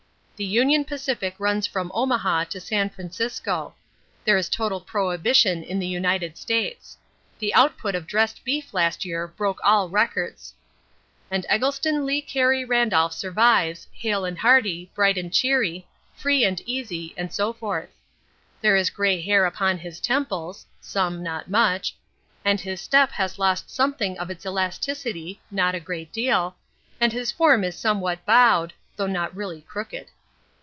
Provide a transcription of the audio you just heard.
The Union Pacific runs from Omaha to San Francisco. There is total prohibition in the United States. The output of dressed beef last year broke all records. And Eggleston Lee Carey Randolph survives, hale and hearty, bright and cheery, free and easy and so forth. There is grey hair upon his temples (some, not much), and his step has lost something of its elasticity (not a great deal), and his form is somewhat bowed (though not really crooked).